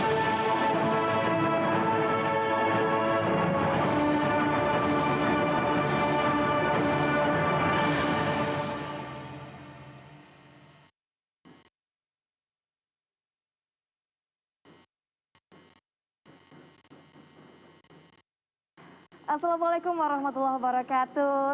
assalamualaikum warahmatullahi wabarakatuh